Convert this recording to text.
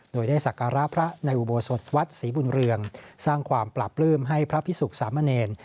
โดยได้สักการะพระในอุโบสถวัดศรีบุญเรืองสร้างความปราบปลื้มให้พระพิสุขสามเณร